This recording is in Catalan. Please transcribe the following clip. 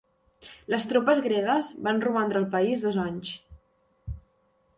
Les tropes gregues van romandre al país dos anys.